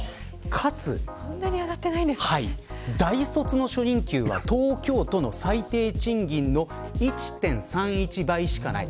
かつ、大卒の初任給は東京都の最低賃金の１．３１倍しかない。